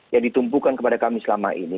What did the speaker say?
ya ditumpukan kepada kami selama ini